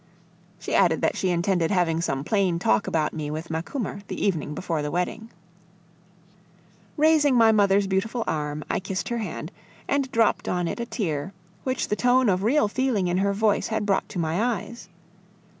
She added that she intended having some plain talk about me with Macumer the evening before the wedding. Raising my mother's beautiful arm, I kissed her hand and dropped on it a tear, which the tone of real feeling in her voice had brought to my eyes.